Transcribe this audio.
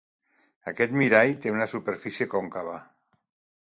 Aquest mirall té una superfície còncava.